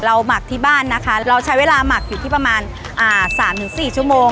หมักที่บ้านนะคะเราใช้เวลาหมักอยู่ที่ประมาณอ่าสามถึงสี่ชั่วโมง